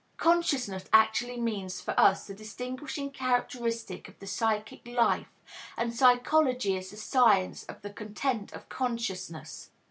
Consciousness actually means for us the distinguishing characteristic of the psychic life, and psychology is the science of the content of consciousness.